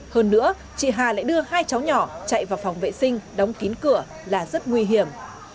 hơn nữa chị hà lại đưa hai cháu nhỏ chạy vào phòng vệ sinh đóng kín cửa là rất nguy hiểm